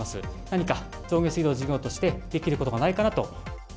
何か上下水道事業として、できることがないかなと。